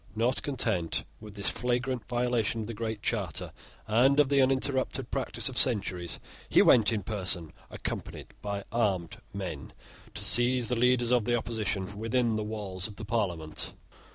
Not content with this flagrant violation of the Great Charter and of the uninterrupted practice of centuries, he went in person, accompanied by armed men, to seize the leaders of the opposition within the walls of Parliament.